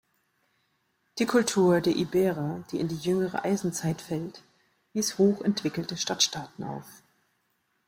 Die Kultur der Iberer, die in die jüngere Eisenzeit fällt, wies hochentwickelte Stadtstaaten auf.